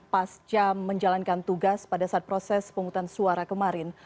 pasca menjalankan tugas pada saat proses penghutang suara kemarin